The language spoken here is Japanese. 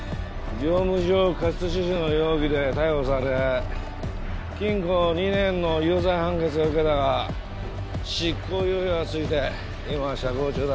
業務上過失致死の容疑で逮捕され禁錮２年の有罪判決を受けたが執行猶予がついて今は釈放中だ。